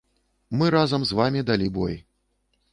Мы разам з вамі далі бой.